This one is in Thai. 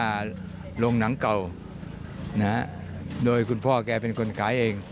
โรงหนังเก่านะฮะโดยคุณพ่อแกเป็นคนขายเอง